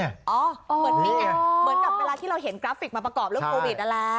อ๋อเหมือนกับเวลาที่เราเห็นกราฟิกมาประกอบเรื่องโควิดน่ะล่ะ